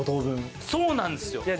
そうなんですよ！